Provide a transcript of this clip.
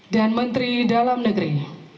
dan menteri dalam negeri